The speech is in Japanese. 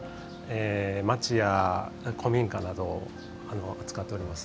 町家古民家などを扱っております。